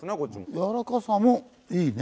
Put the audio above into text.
柔らかさもいいね。